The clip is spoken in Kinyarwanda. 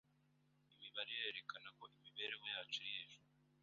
Imibare irerekana ko imibereho yacu iri hejuru.